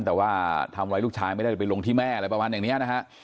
แต่ว่าทำอะไรลูกชายไม่ได้ไปลงที่แม่อะไรประมาณอย่างนี้นะฮะ